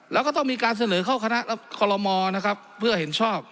แล้วก็ต้องมีการเสนอเข้าคณะคอลโลมอนะครับเพื่อเห็นชอบ